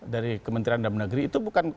dari kementerian dalam negeri itu bukan